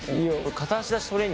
片足立ちトレーニング